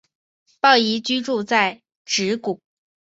抱嶷居住在直谷。